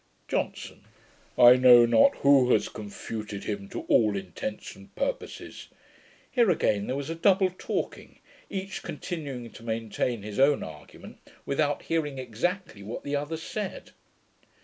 JOHNSON. 'I know not WHO has confuted him to ALL INTENTS AND PURPOSES.' Here again there was a double talking, each continuing to maintain his own argument, without hearing exactly what the other said.